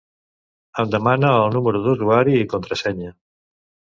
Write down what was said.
Em demana el número d'usuari i contrasenya.